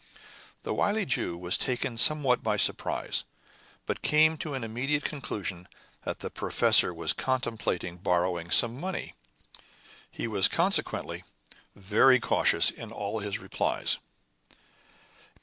The wily Jew was taken somewhat by surprise, but came to an immediate conclusion that the professor was contemplating borrowing some money; he was consequently very cautious in all his replies.